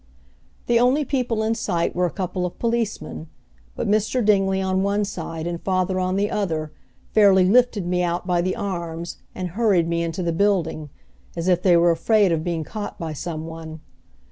The only people in sight were a couple of policemen, but, Mr. Dingley on one side and father on the other, fairly lifted me out by the arms, and hurried me into the building, as if they were afraid of being caught by some one.